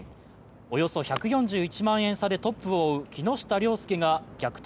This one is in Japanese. およそ１４１万円差でトップを追う木下稜介が逆転